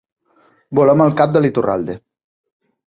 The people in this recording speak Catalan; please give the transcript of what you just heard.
Volem el cap de l'Iturralde.